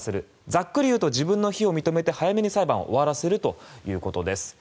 ざっくり言うと自分の非を認めて早めに裁判を終わらせるということです。